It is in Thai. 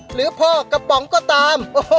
หรือพ่อกระป๋องก็ตาม